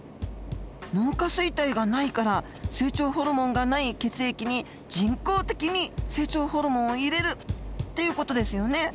脳下垂体がないから成長ホルモンがない血液に人工的に成長ホルモンを入れるっていう事ですよね。